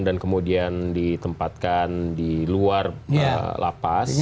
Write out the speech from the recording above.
dan kemudian ditempatkan di luar lapas